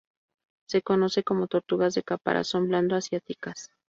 Se conocen como "tortugas de caparazón blando asiáticas".